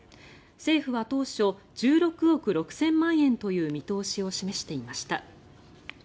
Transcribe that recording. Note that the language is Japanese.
政府は当初１６億６０００万円という見通しを示していました。